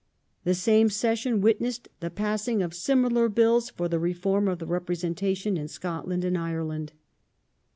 The same session witnessed the passing of similar Bills for the reform of the representation in Scotland and Ireland.